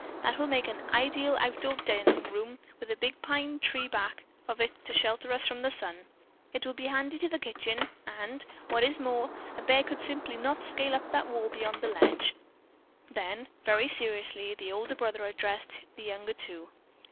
That will make an ideal outdoor dining room, with a big pine tree back of it to shelter us from the sun. It will be handy to the kitchen, and, what is more, a bear simply could not scale up that wall beyond the ledge." Then, very seriously, the older brother addressed the younger two.